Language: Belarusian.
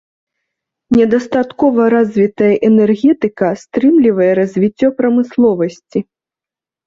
Недастаткова развітая энергетыка стрымлівае развіццё прамысловасці.